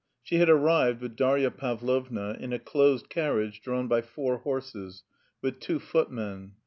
She had arrived, with Darya Pavlovna, in a closed carriage drawn by four horses, with two footmen.